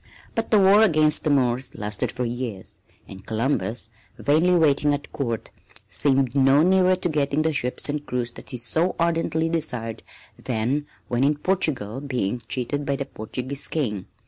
But the war against the Moors lasted for years, and Columbus, vainly waiting at Court, seemed no nearer to getting the ships and crews that he so ardently desired than when in Portugal being cheated by the Portuguese King.